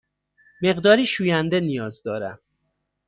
مقداری شوینده نیاز دارم.